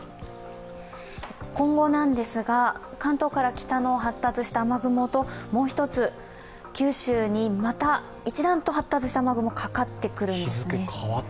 今後なんですが、関東から北の発達した雨雲ともう１つ、九州にまた一段と発達した雨雲がかかってくるんですね。